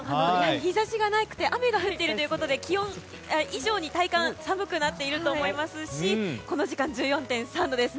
日差しがなくて雨が降っているということで気温以上に体感が寒くなっていると思いますしこの時間、１４．３度です。